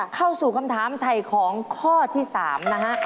เข้าสู่คำถามถ่ายของข้อที่๓นะฮะ